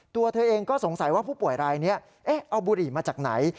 ตัวเธอเองก็สงสัยว่าผู้ป่วยรายนี้เอาบุหรี่มาจากไหน